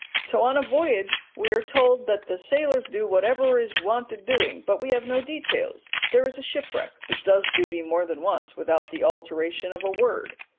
So on a voyage we are told that the sailors do whatever is wanted doing, but we have no details. There is a shipwreck, which does duty more than once without the alteration of a word.